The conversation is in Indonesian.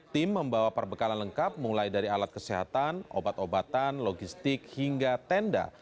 tim membawa perbekalan lengkap mulai dari alat kesehatan obat obatan logistik hingga tenda